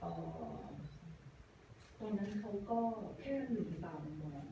อ๋อตอนนั้นเขาก็แค่อยู่ข้างต่าง